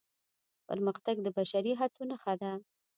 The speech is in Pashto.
پرمختګ د بشري هڅو نښه ده.